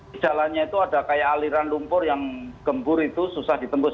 di jalannya itu ada kayak aliran lumpur yang gembur itu susah ditembus